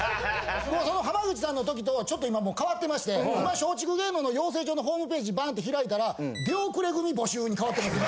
その濱口さんの時とちょっと今もう変わってまして今松竹芸能の養成所のホームページバンて開いたら出遅れ組募集に変わってます。